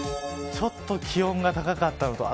ちょっと気温が高かった。